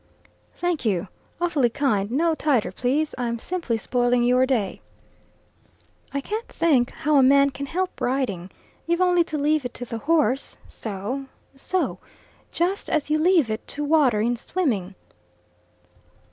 "Thank you awfully kind no tighter, please I'm simply spoiling your day." "I can't think how a man can help riding. You've only to leave it to the horse so! so! just as you leave it to water in swimming."